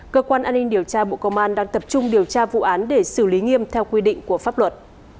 cơ quan an ninh điều tra bộ công an đang tập trung điều tra vụ án để xử lý nghiêm theo quy định của pháp luật